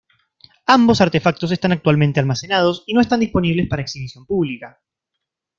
Ambos artefactos están actualmente almacenados y no están disponibles para exhibición pública.